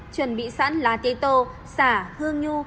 chuẩn bị sẵn lá tế tô xả hương nhu